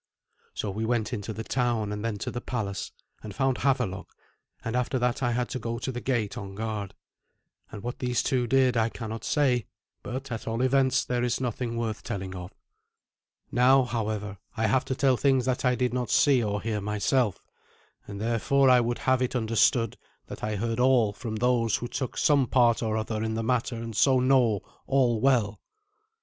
So we went into the town, and then to the palace, and found Havelok, and after that I had to go to the gate on guard. And what these two did I cannot say, but, at all events, there is nothing worth telling of. Now, however, I have to tell things that I did not see or hear myself, and therefore I would have it understood that I heard all from those who took some part or other in the matter, and so know all well.